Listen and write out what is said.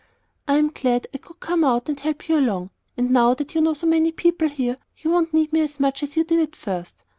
"I'm glad I could come out and help you along; and now that you know so many people here, you won't need me so much as you did at first.